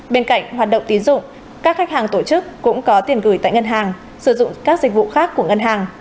bên cạnh hoạt động tín dụng các khách hàng tổ chức cũng có tiền gửi tại ngân hàng sử dụng các dịch vụ khác của ngân hàng